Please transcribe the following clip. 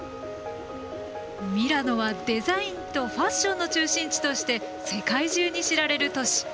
ミラノはデザインとファッションの中心地として世界中に知られる都市。